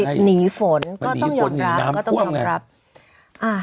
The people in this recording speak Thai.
หนีฝนก็ต้องยอมรับก็ต้องยอมรับอ่า